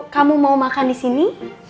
kamu mau makan disini